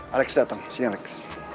alex dateng sini alex